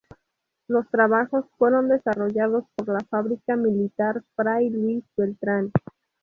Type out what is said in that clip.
Los trabajos fueron desarrollados por la Fábrica Militar Fray Luis Beltrán.